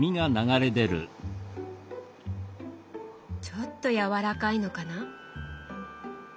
ちょっとやわらかいのかな？